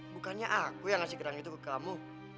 bukannya aku yang ngasih kerang itu ke kamu